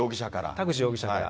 田口容疑者から。